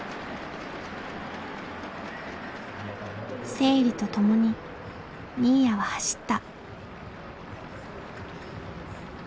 生理とともに新谷は走った。